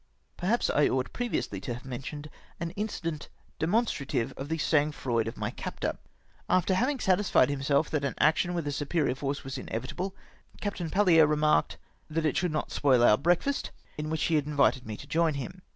Perhaps I ought previously to have mentioned an incident demonstrative of the sang froid of my captor. After havino; satisfied himself that an action with a superior force was inevitable, Capt. Palhere remarked, " that it should not spoil our breakfast," in which he had invited me to join liim.